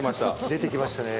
出てきましたね。